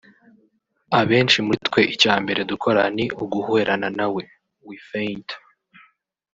Abenshi muri twe icya mbere dukora ni “uguhwerana” nawe (we faint)